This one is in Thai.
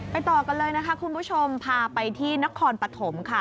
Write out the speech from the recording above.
ต่อกันเลยนะคะคุณผู้ชมพาไปที่นครปฐมค่ะ